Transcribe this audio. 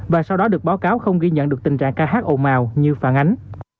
và sau đó được báo cáo không ghi nhận được tình trạng kh ồn màu như phản ánh